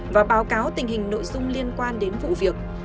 và báo cáo tình hình nội dung liên quan đến vụ việc